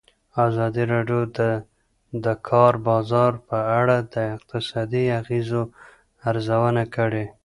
ازادي راډیو د د کار بازار په اړه د اقتصادي اغېزو ارزونه کړې.